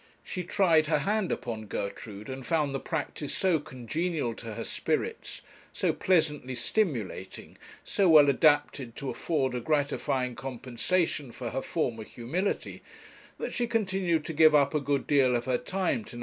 She tried her hand upon Gertrude, and found the practice so congenial to her spirits, so pleasantly stimulating, so well adapted to afford a gratifying compensation for her former humility, that she continued to give up a good deal of her time to No.